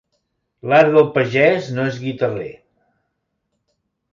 L'art del pagès no és guitarrer.